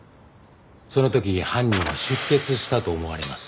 その時犯人は出血したと思われます。